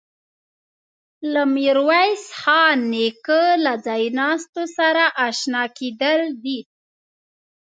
له میرویس خان نیکه له ځایناستو سره آشنا کېدل دي.